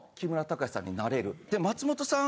松本さん